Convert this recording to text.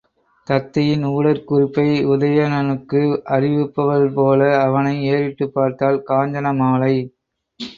தத்தையின் ஊடற் குறிப்பை உதயணனுக்கு அறிவிப்பவள்போல அவனை ஏறிட்டுப் பார்த்தாள் காஞ்சனமாலை.